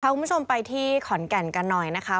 คุณผู้ชมไปที่ขอนแก่นกันหน่อยนะคะ